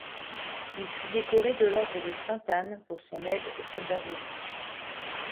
Il fut décoré de l'ordre de Sainte-Anne pour son aide aux soldats blessés.